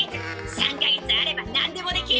３か月あれば何でもできる！